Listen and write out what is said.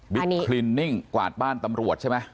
บิ๊กพลินท์นิ่งกวาดบ้านตำรวจใช่ไหม